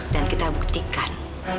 dan kita buktikan